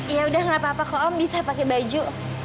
yaudah gak apa apa kok om bisa pakai baju